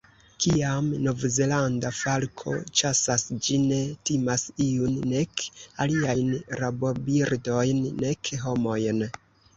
Kiam Novzelanda falko ĉasas ĝi ne timas iun, nek aliajn rabobirdojn, nek homojn.